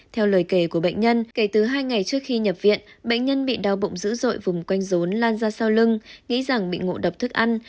theo lời kể của bệnh nhân kể từ hai ngày trước khi nhập viện bệnh nhân bị đau bụng dữ dội vùng quanh rốn lan ra sau lưng nghĩ rằng bị ngộ độc thức ăn